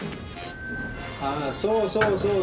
あそうそうそうそう。